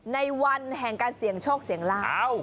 ในวันแห่งการเสี่ยงโชคเสี่ยงลาบ